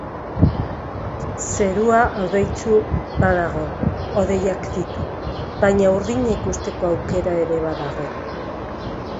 Zerua hodeitsu badago, hodeiak ditu, baina urdina ikusteko aukera ere badago.